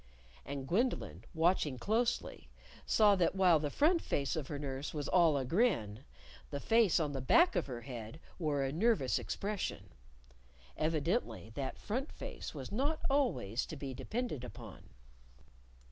And Gwendolyn, watching closely, saw that while the front face of her nurse was all a grin, the face on the back of her head wore a nervous expression. (Evidently that front face was not always to be depended upon!)